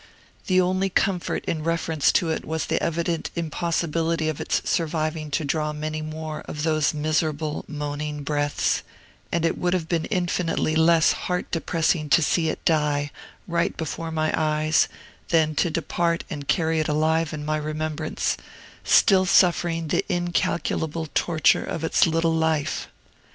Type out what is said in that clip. The only comfort in reference to it was the evident impossibility of its surviving to draw many more of those miserable, moaning breaths; and it would have been infinitely less heart depressing to see it die, right before my eyes, than to depart and carry it alive in my remembrance, still suffering the incalculable torture of its little life.